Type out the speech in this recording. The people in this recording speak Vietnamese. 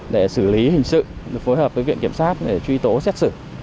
để xử lý hình sự phối hợp với viện kiểm sát để truy tố xét xử